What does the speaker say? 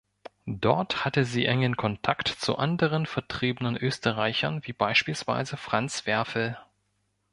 Dort hatte sie engen Kontakt zu anderen vertriebenen Österreichern wie beispielsweise Franz Werfel.